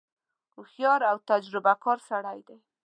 هوښیار او تجربه کار سړی دی.